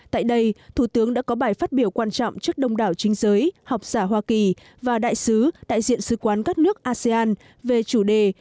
tại đây thủ tướng đã có bài phát biểu quan trọng trước đông đảo chính giới học giả hoa kỳ và đại sứ đại diện sứ quán các nước asean về chủ đề